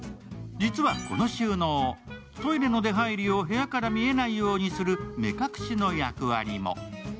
実はこの収納、トイレの出入りを部屋から見えないようにする目隠しの役割も。